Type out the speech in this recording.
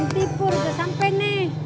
nanti pur udah sampe nih